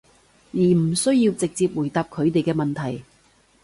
而唔需要直接回答佢哋嘅問題